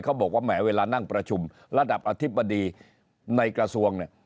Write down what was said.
บอกว่าแหมเวลานั่งประชุมระดับอธิบดีในกระทรวงเนี่ย